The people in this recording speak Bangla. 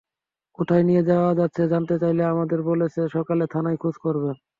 কোথায় নিয়ে যাওয়া হচ্ছে জানতে চাইলে আমাদের বলেছে, সকালে থানায় খোঁজ করবেন।